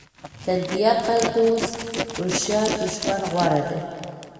تر بیعقل دوست هوښیار دښمن غوره ده.